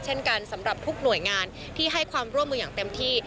เช่นกันสำหรับทุกหน่วยงานที่ให้ความร่วมมืออย่างเต็มที่